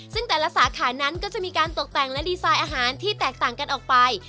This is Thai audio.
ซึ่งแต่ละสาขานั้นก็จะมีการตกแต่งและดีไซน์อาหารที่แตกต่างกันออกไป